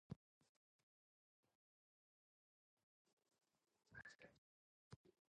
Many Cypriot dialect words derive from Arabic through Turkish like: "kebab, pastourmas, mahalepi, rusfeti".